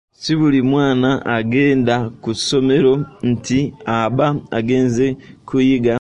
Si buli mwana yenna agenda ku ssomero nti aba agenze kuyiga.